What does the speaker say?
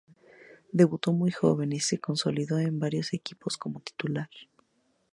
Debutó muy joven y se consolidó en varios equipos como titular.